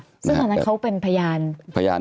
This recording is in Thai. ซึ่งตอนนั้นเขาเป็นพยาน